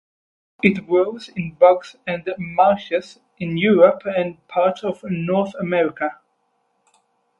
It grows in bogs and marshes in Europe and parts of North America.